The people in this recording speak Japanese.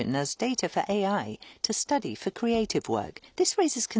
そうですよね。